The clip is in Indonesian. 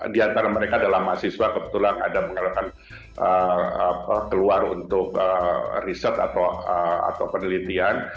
di antara mereka adalah mahasiswa kebetulan ada pengalaman keluar untuk riset atau penelitian